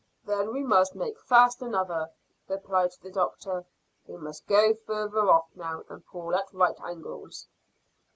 "Then we must make fast another," replied the doctor. "We must go farther off now, and pull at right angles."